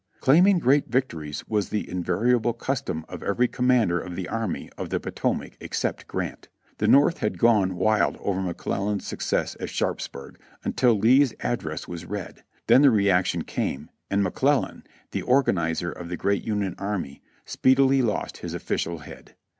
Claim ing great victories was the invariable custom of every commander of the Army of the Potomac except Grant. The North had gone wild over McClellan's success at Sharpsburg until Lee's address was read, then the reaction came and McClellan, the organ izer of the great Union army, speedily lost his official head.